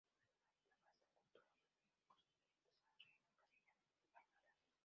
Personaje de vasta cultura, fue miembro correspondiente de la Real Academia Española.